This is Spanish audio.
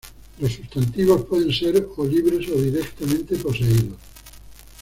Los sustantivos pueden ser o libres o directamente poseídos.